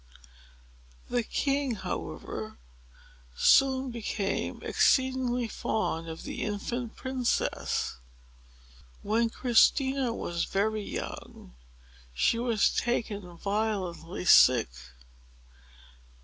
The king, however, soon became exceedingly fond of the infant princess. When Christina was very young, she was taken violently sick.